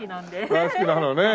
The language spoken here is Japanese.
大好きなのね。